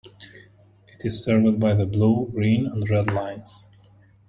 It is served by the Blue, Green and Red Lines.